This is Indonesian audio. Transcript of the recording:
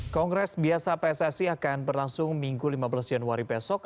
kongres biasa pssi akan berlangsung minggu lima belas januari besok